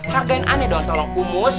hargain aneh dong tolong kumus